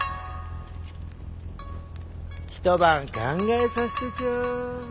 一晩考えさせてちょう。